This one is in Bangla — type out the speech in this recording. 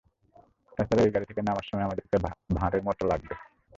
তাছাড়া, এই গাড়ি থেকে নামার সময় আমাদেরকে ভাঁড়ের মতো লাগবে।